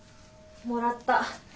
もらった。